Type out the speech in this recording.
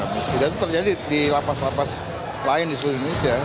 tidak itu terjadi di lapas lapas lain di seluruh indonesia